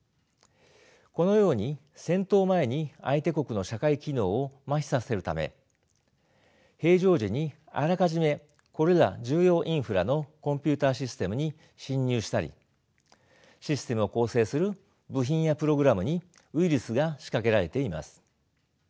このように戦闘前に相手国の社会機能を麻痺させるため平常時にあらかじめこれら重要インフラのコンピューターシステムに侵入したりシステムを構成する部品やプログラムにウイルスが仕掛けられています。